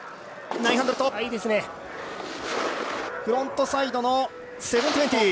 フロントサイドのエア。